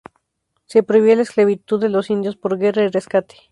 Se prohibía la esclavitud de los indios por guerra y rescate.